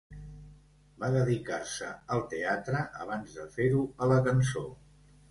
Va dedicar-se al teatre abans de fer-ho a la cançó.